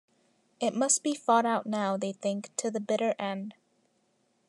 It must be fought out now, they think, to the bitter end.